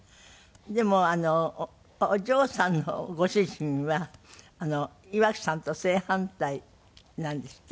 でもお嬢さんのご主人は岩城さんと正反対なんですって？